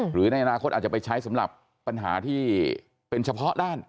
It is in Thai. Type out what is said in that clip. หรือในอนาคตอาจจะไปใช้สำหรับปัญหาที่เป็นเฉพาะด้าน